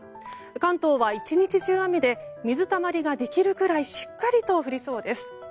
関東は１日中雨で水たまりができるくらいしっかりと降りそうです。